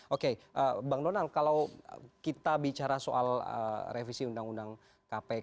oke bang donald kalau kita bicara soal revisi undang undang kpk